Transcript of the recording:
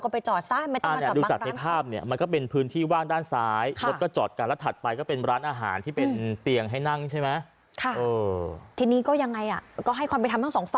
คือพูดง่ายเจ้าที่จัดร้านจอดสมัยท่องเที่ยวให้ไว้